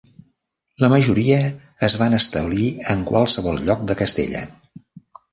La majoria es van establir en qualsevol lloc de Castella.